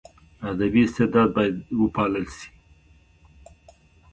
ادبي استعداد باید وپالل سي.